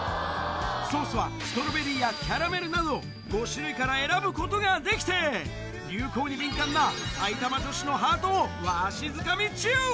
ソースはストロベリーやキャラメルなど、５種類から選ぶことができて、流行に敏感な埼玉女子のハートをわしづかみ中。